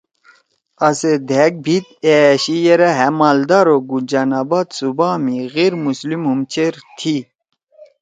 آسے دھأک بھیِت أ أشی یرأ ہأ مالدا او گنجان آباد صوبا می غیر مسلم ہُم چیر تھی